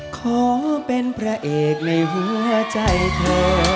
ขอเป็นพระเอกในหัวใจเธอ